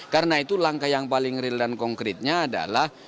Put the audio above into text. karena itu langkah yang paling real dan konkretnya adalah